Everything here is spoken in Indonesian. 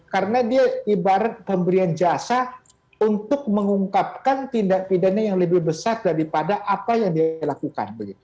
karena dia ibarat pemberian jasa untuk mengungkapkan tindak pidana yang lebih besar daripada apa yang dia lakukan